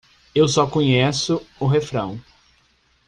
Eu só conheço o refrão.